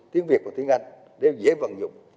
tiếng việt và tiếng anh để dễ vận dụng